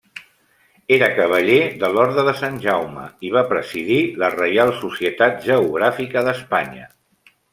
Era cavaller de l'Orde de Sant Jaume, i va presidir la Reial Societat Geogràfica d'Espanya.